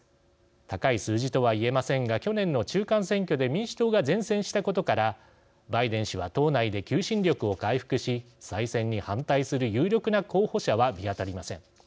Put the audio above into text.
高い数字とは言えませんが去年の中間選挙で民主党が善戦したことからバイデン氏は党内で求心力を回復し再選に反対する有力な候補者は見当たりません。